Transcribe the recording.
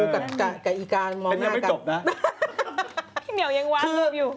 คือกับอีกการมองหน้ากันพี่เหนียวยังวางรูปอยู่